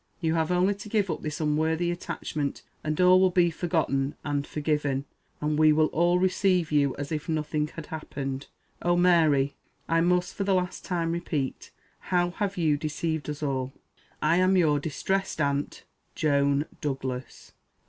You have only to give up this unworthy attachment, and all will be forgotten and forgiven; and we will all receive you as if nothing had happened. Oh, Mary! I must, for the last time repeat, how have you deceived us all! "I am your distressed aunt, "JOAN DOUGLAS.